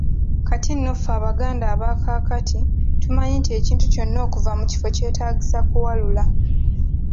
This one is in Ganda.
Kati no ffe Abaganda abakaakati tumanyi nti ekintu kyonna okuva mu kifo kyetaagisa kuwalula.